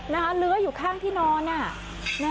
เลื้ออยู่ข้างที่นอน